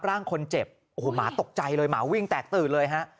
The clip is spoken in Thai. ร่างคนเจ็บโอ้โหหมาตกใจเลยหมาวิ่งแตกตื่นเลยฮะ